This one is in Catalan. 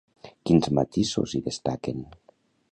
Quins matisos hi destaquen?